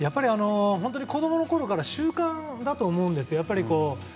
本当に子供のころから習慣だと思うんです。